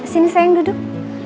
sini sayang duduk